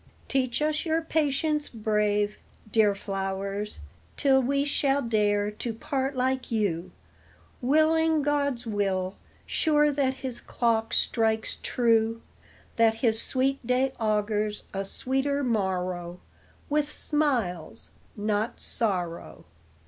Teach us your patience, brave, Dear flowers, till we shall dare to part like you, Willing God's will, sure that his clock strikes true, That his sweet day augurs a sweeter morrow, With smiles, not sorrow.